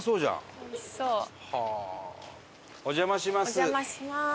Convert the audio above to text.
滝沢：お邪魔します。